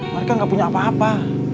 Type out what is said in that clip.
mereka nggak punya apa apa